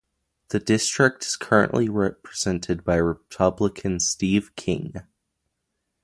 The district is currently represented by Republican Steve King.